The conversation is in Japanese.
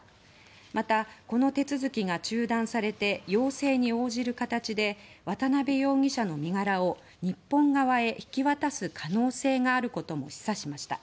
また、この手続きが中断されて要請に応じる形で渡邉容疑者の身柄を日本側へ引き渡す可能性があることも示唆しました。